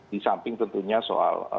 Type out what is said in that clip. disamping tentunya soal